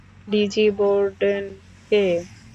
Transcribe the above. Lessee Borden K?